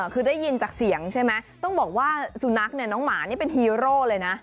คือได้ยินจากเสียงใช่ไหมต้องบอกว่าสุนัขเนี่ยน้องหมานี่เป็นฮีโร่เลยนะ